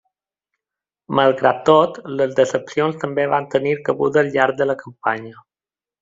Malgrat tot, les decepcions també van tenir cabuda al llarg de la campanya.